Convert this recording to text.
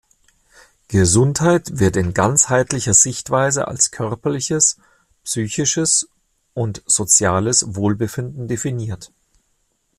Gesundheit wird in ganzheitlicher Sichtweise als körperliches, psychisches und soziales Wohlbefinden definiert.